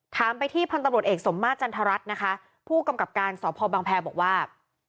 ถามไปที่พันตรวจเอกสมมาจันทรรัฐผู้กำกับการสพบางแพรบอกว่า